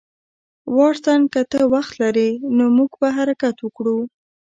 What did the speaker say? واټسن که ته وخت لرې نو موږ به حرکت وکړو